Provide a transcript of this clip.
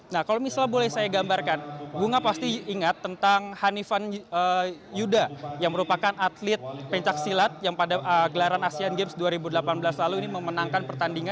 nah kalau misalnya boleh saya gambarkan bunga pasti ingat tentang hanifan yuda yang merupakan atlet pencaksilat yang pada gelaran asean games dua ribu delapan belas lalu ini memenangkan pertandingan